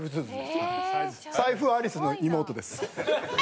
「財布アリス」の妹です。